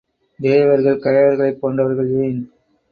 தேவர்கள் கயவர்களைப் போன்றவர்கள் ஏன்?